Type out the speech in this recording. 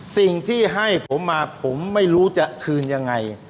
สิ่งที่ให้ผมมาผมไม่รู้จะคืนยังไง